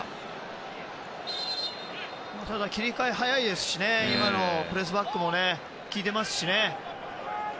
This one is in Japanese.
ただ、切り替えも早いし今のプレスバックも効いてますしね。